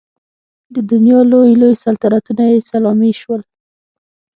د دنیا لوی لوی سلطنتونه یې سلامي شول.